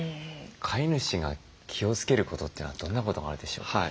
飼い主が気をつけることというのはどんなことがあるでしょう？